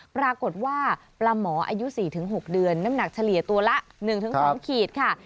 ปรากฏว่าปลาหมออายุ๔๖เดือนน้ำหนักเฉลี่ยตัวละ๑๒ขีดค่ะ